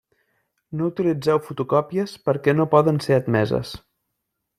No utilitzeu fotocòpies, perquè no poden ser admeses.